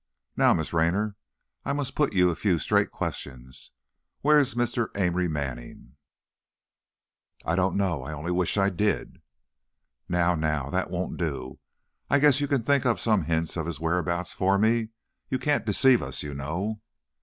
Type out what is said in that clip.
Now, Miss Raynor, I must put you a few straight questions. Where's Mr. Amory Manning?" "I don't know! I only wish I did!" "Now, now, that won't do! I guess you can think up some hint of his whereabouts for me. You can't deceive us, you know."